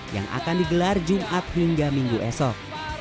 yang akan digelar jumat hingga minggu esok